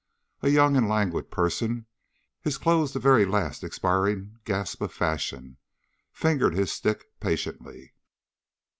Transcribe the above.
A young and languid person, his clothes the very last expiring gasp of fashion, fingered his stick patiently.